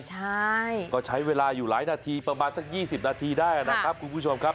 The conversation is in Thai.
ใช่ก็ใช้เวลาอยู่หลายนาทีประมาณสัก๒๐นาทีได้นะครับคุณผู้ชมครับ